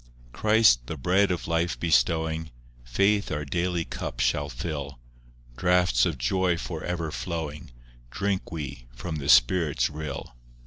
VI Christ, the Bread of Life bestowing, Faith our daily cup shall fill; Draughts of joy for ever flowing, Drink we from the Spirit's rill.